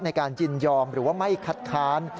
ยินยอมหรือว่าไม่คัดค้าน